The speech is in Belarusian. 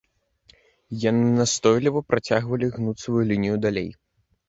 Яны настойліва працягвалі гнуць сваю лінію далей.